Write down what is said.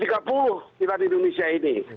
kita di indonesia ini